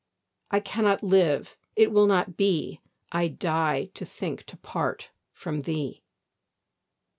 I cannot live; it will not be: I die to think to part from thee.